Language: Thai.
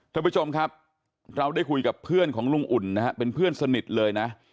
ท่านผู้ชมครับเราได้คุยกับเพื่อนของลุงอุ่นนะฮะเป็นเพื่อนสนิทเลยนะ